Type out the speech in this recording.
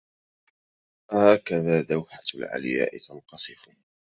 أهكذا دوحة العلياء تنقصف